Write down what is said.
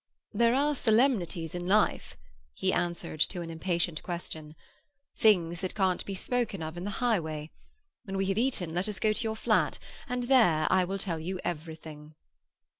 "There are solemnities in life," he answered to an impatient question, "things that can't be spoken of in the highway. When we have eaten, let us go to your flat, and there I will tell you everything."